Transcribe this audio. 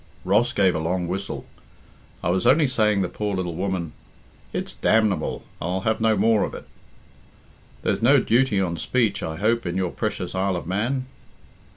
Ross gave a long whistle. "I was only saying the poor little woman " "It's damnable, and I'll have no more of it." "There's no duty on speech, I hope, in your precious Isle of Man."